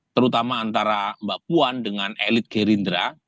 terutama antara mbak puan dengan elit gerindra